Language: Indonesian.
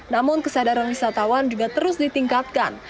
namun kesadaran wisatawan juga terus ditingkatkan